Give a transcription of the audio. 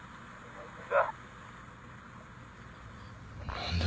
何だ？